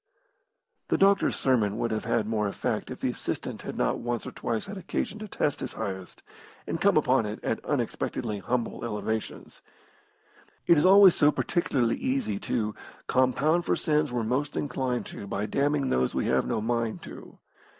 The doctor's sermon would have had more effect if the assistant had not once or twice had occasion to test his highest, and come upon it at unexpectedly humble elevations. It is always so particularly easy to "compound for sins we're most inclined to by damning those we have no mind to."